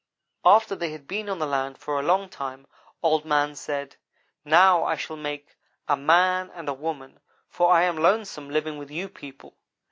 "After they had been on the land for a long time Old man said: 'Now I shall make a man and a woman, for I am lonesome living with you people.